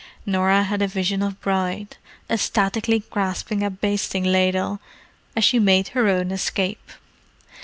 Norah had a vision of Bride, ecstatically grasping a basting ladle, as she made her own escape.